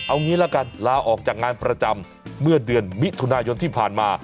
เอางี้ละกันลาออกจากงานประจำเมื่อเดือนมิถุนายนที่ผ่านมา